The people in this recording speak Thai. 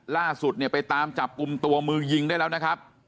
ล่าสุดเนี่ยไปตามจับกลุ่มตัวมือยิงได้แล้วนะครับ